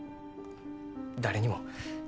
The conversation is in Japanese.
誰にも。